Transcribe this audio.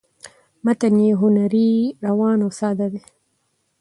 متن یې هنري ،روان او ساده دی